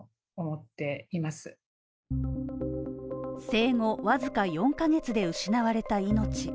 生後僅か４カ月で失われた命。